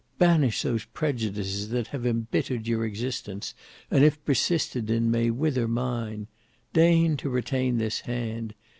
Banish those prejudices that have embittered your existence, and if persisted in may wither mine. Deign to retain this hand!